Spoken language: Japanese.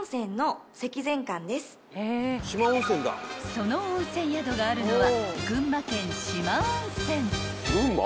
［その温泉宿があるのは］